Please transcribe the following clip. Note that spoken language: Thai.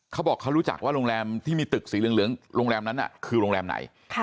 เขาบอกเขารู้จักว่าโรงแรมที่มีตึกสีเหลืองโรงแรมนั้นคือโรงแรมไหน